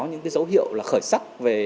những cái dấu hiệu là khởi sắc